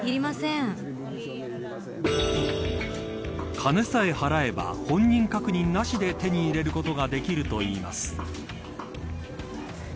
金さえ払えば、本人確認なしで手に入れることができるといいます。